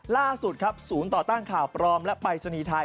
ล่าสุดครับศูนย์ต่อตั้งข่าวปลอมและปลายสนีทัย